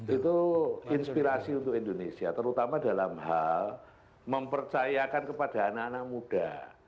itu inspirasi untuk indonesia terutama dalam hal mempercayakan kepada anak anak muda